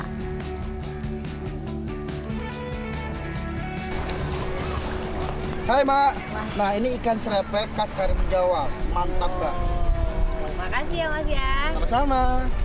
hai hai hai hai mbak nah ini ikan serepeh khas karimun jawa mantap banget makasih ya sama sama